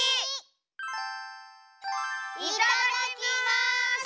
いただきます！